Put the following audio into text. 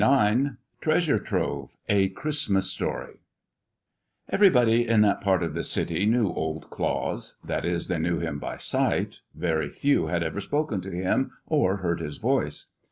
IX TREASURE TROVE; A CHRISTMAS STORY Everybody in that part of the city knew Old Claus; that is, they knew him by sight; very few had ever spoken to him or heard his voice.